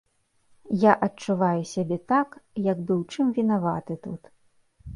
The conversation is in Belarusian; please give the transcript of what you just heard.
Я адчуваю сябе так, як бы ў чым вінаваты тут.